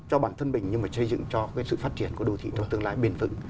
cho bản thân mình nhưng mà xây dựng cho cái sự phát triển của đô thị trong tương lai bền vững